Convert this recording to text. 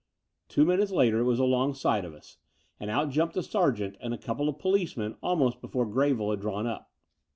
Two minutes later it was alongside of us; and out jumped a sergeant and a couple of policemen almost before GreviUe had drawn up.